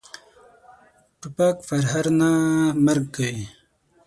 توپک پرهر نه، مرګ کوي.